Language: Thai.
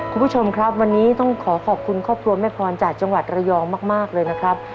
คุณผู้ชมครับวันนี้ต้องขอขอบคุณครอบครัวแม่พรจากจังหวัดระยองมากเลยนะครับ